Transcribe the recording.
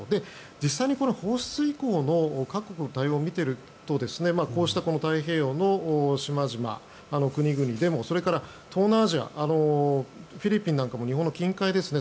実際に放出以降の各国の対応を見ているとこうした太平洋の島々、国々でもそれから東南アジアフィリピンなんかも日本の近海ですね。